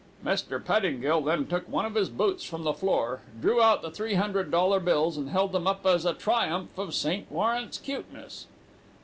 "Mr. Pettingill then took one of his boots from the floor, drew out the three hundred dollar bills, and held them up as a triumph of St. Lawrence cuteness.